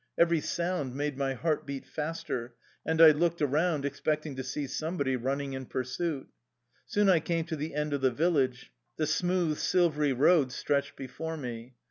Every sound made my heart beat faster, and I looked around expecting to see somebody running in pursuit. Soon I came to the end of the village. The smooth, silvery road stretched before me.